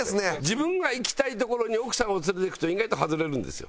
自分が行きたい所に奥さんを連れていくと意外と外れるんですよ。